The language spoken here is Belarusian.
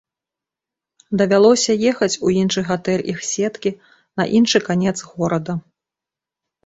Давялося ехаць у іншы гатэль іх сеткі на іншы канец горада.